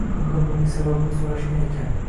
Undan buning sababini soʻrashgan ekan